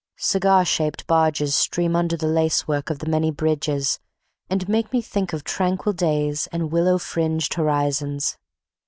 Cigar shaped barges stream under the lacework of the many bridges and make me think of tranquil days and willow fringed horizons.